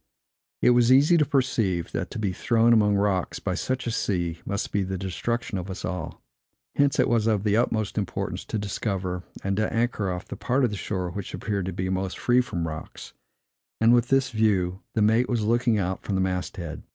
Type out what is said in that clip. It was easy to perceive, that to be thrown among rocks, by such a sea, must be the destruction of us all. Hence it was of the utmost importance to discover, and to anchor off, the part of the shore which appeared to be most free from rocks; and with this view the mate was looking out from the mast head.